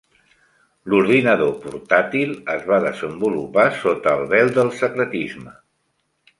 L'ordinador portàtil es va desenvolupar sota el vel del secretisme.